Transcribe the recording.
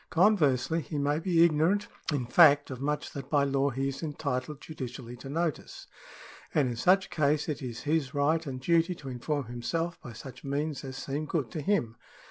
Conversely he may be ignorant in fact of much that by law he is entitled judicially to notice, and in such a case it is his right and duty to inform himself by such means as seem good to him.